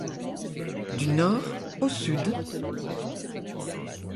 Du nord au sud.